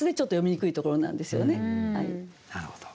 なるほど。